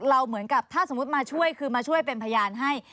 เหมือนกับถ้าสมมุติมาช่วยคือมาช่วยเป็นพยานให้